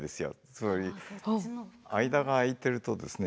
つまり間が空いてるとですね